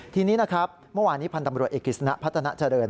ทีนี้นะครับเมื่อวานนี้พันธ์ตำรวจเอกกิจสนะพัฒนาเจริญ